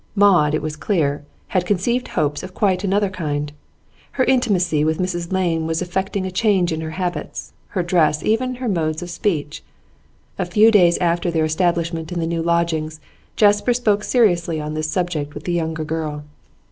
Maud, it was clear, had conceived hopes of quite another kind. Her intimacy with Mrs Lane was effecting a change in her habits, her dress, even her modes of speech. A few days after their establishment in the new lodgings, Jasper spoke seriously on this subject with the younger girl.